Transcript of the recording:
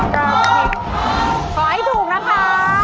ขอให้ถูกนะคะ